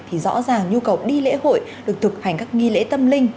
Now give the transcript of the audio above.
thì rõ ràng nhu cầu đi lễ hội được thực hành các nghi lễ tâm linh